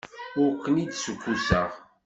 Ur ken-id-ssukkuseɣ.